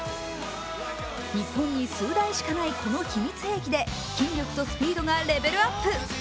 日本に数台しかないこの秘密兵器で筋力とスピードがレベルアップ。